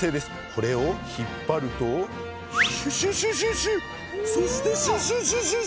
これを引っ張るとシュシュシュシュシュそしてシュシュシュシュシュ。